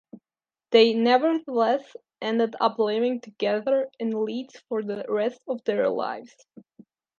They nevertheless ended up living together in Leeds for the rest of their lives.